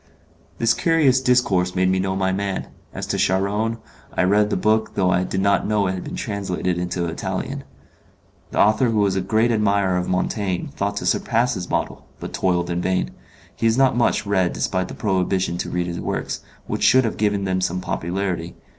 This curious discourse made me know my man. As to Charron, I had read the book though I did not know it had been translated into Italian. The author who was a great admirer of Montaigne thought to surpass his model, but toiled in vain. He is not much read despite the prohibition to read his works, which should have given them some popularity.